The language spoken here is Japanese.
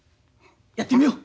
やってみよう！